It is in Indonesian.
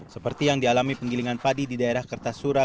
seperti yang dialami penggilingan padi di daerah kertasura